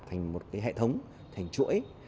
thành một hệ thống thành chuỗi